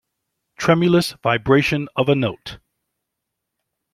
Tremulous vibration of a note.